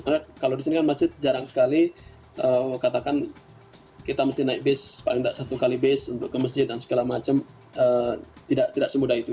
karena kalau di sini kan masjid jarang sekali katakan kita mesti naik bis paling tidak satu kali bis untuk ke masjid dan segala macam tidak semudah itu